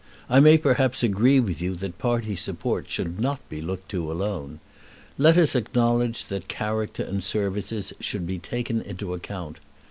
I may perhaps agree with you that party support should not be looked to alone. Let us acknowledge that character and services should be taken into account.